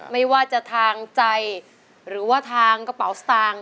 ไม่ว่าจะทางใจหรือว่าทางกระเป๋าสตางค์